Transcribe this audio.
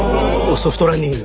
ソフトランニング。